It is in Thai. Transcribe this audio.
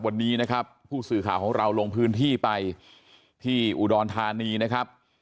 วันนี้นะครับผู้สื่อข่าวของเราลงพื้นที่ไปที่อุดรธานีนะครับ